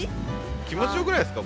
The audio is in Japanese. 気持ちよくないですか？